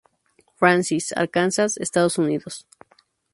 Francis, Arkansas, Estados Unidos.